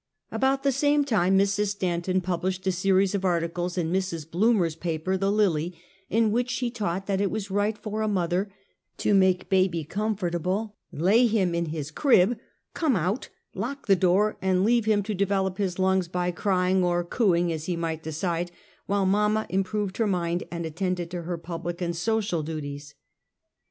About the same time, Mrs. Stanton published a series of articles in Mrs. Bloomer's paper, the Lily, in which she taught that it was right for a mother to make baby comfortable, lay him in his crib, come out, lock the door, and leave him to develop his lungs by crying or cooing, as he might decide, while mamma improved her mind and attended to her public and social duties.